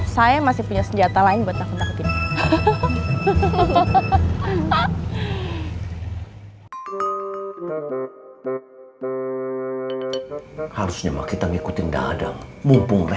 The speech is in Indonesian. saya masih punya senjata lain buat takut takutinnya